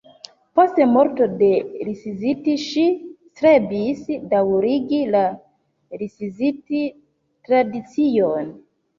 Post morto de Liszt ŝi strebis daŭrigi la Liszt-tradicion.